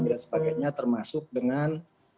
dan sebagainya termasuk dengan